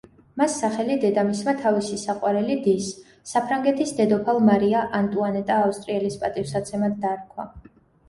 მას სახელი დედამისმა თავისი საყვარელი დის, საფრანგეთის დედოფალ მარია ანტუანეტა ავსტრიელის პატივსაცემად დაარქვა.